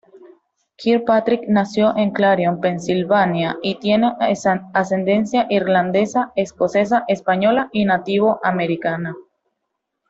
Kirkpatrick nació en Clarion, Pensilvania y tiene ascendencia irlandesa, escocesa, española y nativo americana.